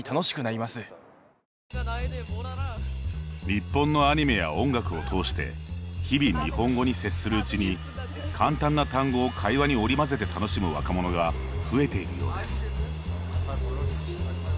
日本のアニメや音楽を通して日々、日本語に接するうちに簡単な単語を会話に織り交ぜて楽しむ若者が増えているようです。